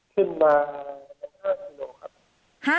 ขึ้นมา๕กิโลครับ